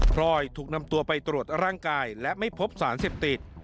รอยถูกนำตัวไปตรวจร่างกายและไม่พบสารเสพติด